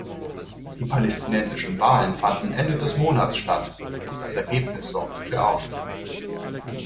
Die palästinensischen Wahlen fanden Ende des Monats statt, und das Ergebnis sorgte für Aufregung.